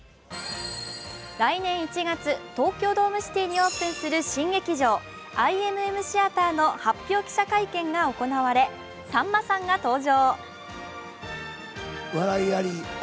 来年１月、東京ドームシティにオープンする新劇場、ＩＭＭＴＨＥＡＴＥＲの発表記者会見が行われ、さんまさんが登場。